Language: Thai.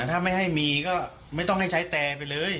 ถ้าไม่ให้มีก็ไม่ต้องให้ใช้แต่ไปเลย